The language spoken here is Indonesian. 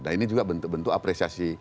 dan ini juga bentuk bentuk apresiasi